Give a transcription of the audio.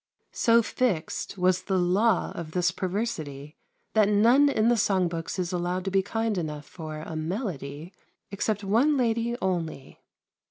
So fixed was the law of this perversity that none in the song books is allowed to be kind enough for a "melody," except one lady only.